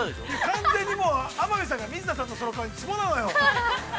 ◆完全に天海さんが水田さんの顔にツボなのよ。